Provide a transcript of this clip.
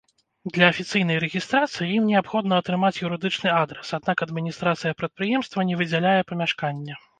Для афіцыйнай рэгістрацыі ім неабходна атрымаць юрыдычны адрас, аднак адміністрацыя прадпрыемства не выдзяляе памяшкання.